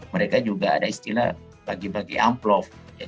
mereka juga ada istilah bagi bagi amplop